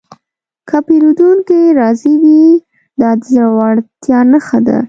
که پیرودونکی راضي وي، دا د زړورتیا نښه ده.